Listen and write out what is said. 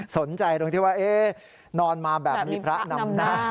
ตรงที่ว่านอนมาแบบนี้พระนำหน้า